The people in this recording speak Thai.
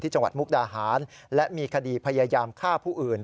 จังหวัดมุกดาหารและมีคดีพยายามฆ่าผู้อื่น